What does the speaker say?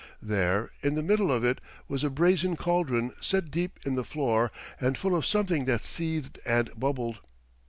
There in the middle of it was a brazen caldron set deep in the floor and full of something that seethed and bubbled.